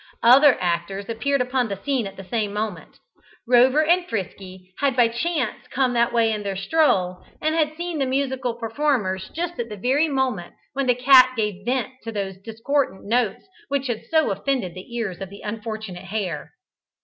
Other actors appeared upon the scene at the same moment. Rover and Frisky had by chance come that way in their stroll, and had seen the musical performers just at the very moment when the cat gave vent to those discordant notes which had so offended the ears of the unfortunate hare.